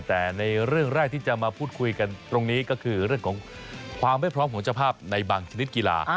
แต่ในเรื่องแรกที่จะมาพูดคุยกันตรงนี้ก็คือเรื่องของความไม่พร้อมของเจ้าภาพในบางชนิดกีฬา